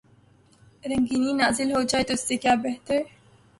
رنگینی نازل ہو جائے تو اس سے کیا بہتر۔